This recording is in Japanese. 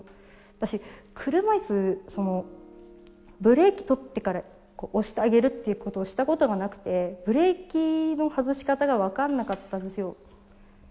私車いすそのブレーキをとってから押してあげるっていうことをしたことがなくてブレーキのはずし方がわからなかったんですよ。